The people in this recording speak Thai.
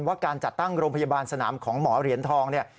ว่าการจัดตั้งโรงพยาบาลสนามของหมอเหรียญทองเนี่ย